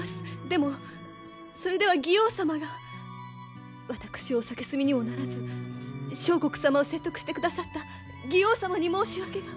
でもそれでは妓王様が私をお蔑みにもならず相国様を説得してくださった妓王様に申し訳が。